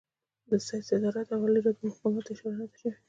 د سید صدارت او عالي رتبه مقاماتو ته اشاره نه ده شوې.